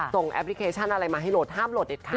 แอปพลิเคชันอะไรมาให้โหลดห้ามโหลดเด็ดขาด